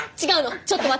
ちょっと待って。